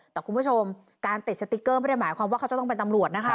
แต่คุณผู้ชมการติดสติ๊กเกอร์ไม่ได้หมายความว่าเขาจะต้องเป็นตำรวจนะคะ